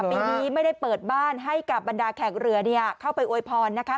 ปีนี้ไม่ได้เปิดบ้านให้กับบรรดาแขกเรือเข้าไปอวยพรนะคะ